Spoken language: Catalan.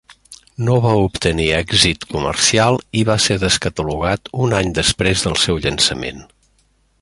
No va obtenir èxit comercial i va ser descatalogat un any després del seu llançament.